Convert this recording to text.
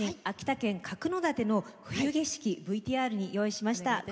秋田県角館の冬景色ＶＴＲに用意しました。